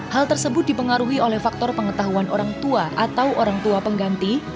hal tersebut dipengaruhi oleh faktor pengetahuan orang tua atau orang tua pengganti